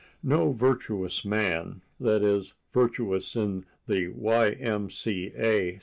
No virtuous man—that is, virtuous in the Y. M. C. A.